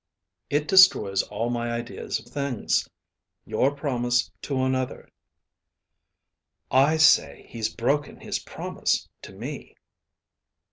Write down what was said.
"It destroys all my ideas of things. Your promise to another " "I say he's broken his promise to me."